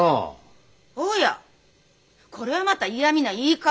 おやこれはまた嫌みな言い方。